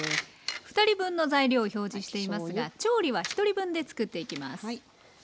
２人分の材料を表示していますが調理は１人分で作っていきます。